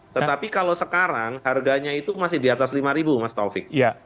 tetapi kalau sekarang harganya itu masih di atas rp lima mas taufik